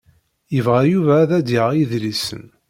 Yebɣa Yuba ad d-yaɣ idlisen.